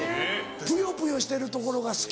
ぷよぷよしてるところが好き。